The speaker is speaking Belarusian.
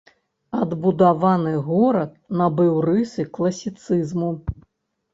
Адбудаваны горад набыў рысы класіцызму.